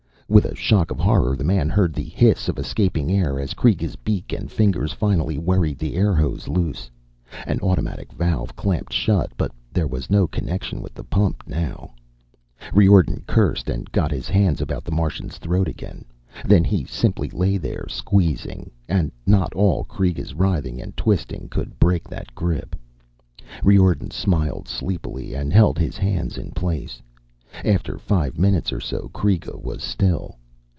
With a shock of horror, the man heard the hiss of escaping air as Kreega's beak and fingers finally worried the airhose loose. An automatic valve clamped shut, but there was no connection with the pump now Riordan cursed, and got his hands about the Martian's throat again. Then he simply lay there, squeezing, and not all Kreega's writhing and twistings could break that grip. Riordan smiled sleepily and held his hands in place. After five minutes or so Kreega was still.